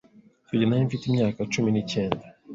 Icyo gihe nari mfite imyaka cumi nicyenda